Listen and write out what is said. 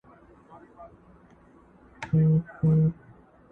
په خندا کي یې و زوی ته و ویله،